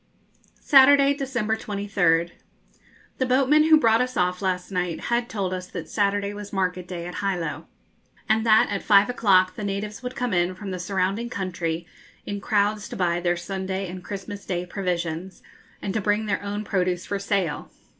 Saturday, December 23rd. The boatman who brought us off last night had told us that Saturday was market day at Hilo, and that at five o'clock the natives would come in from the surrounding country in crowds to buy their Sunday and Christmas Day provisions, and to bring their own produce for sale.